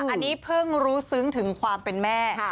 อันนี้เพิ่งรู้ซึ้งถึงความเป็นแม่